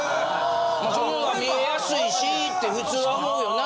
その方が見えやすいしって普通は思うよな。